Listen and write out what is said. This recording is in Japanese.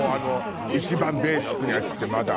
一番ベーシックなやつってまだ。